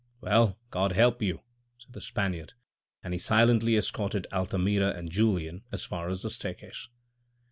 " Well, God help you," added the Spaniard, and he silently escorted Altamira and Julien as far as the staircase.